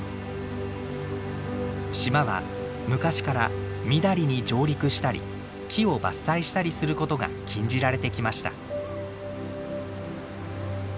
島は昔からみだりに上陸したり木を伐採したりすることが禁じられてきました。